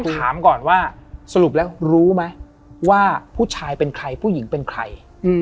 ถามก่อนว่าสรุปแล้วรู้ไหมว่าผู้ชายเป็นใครผู้หญิงเป็นใคร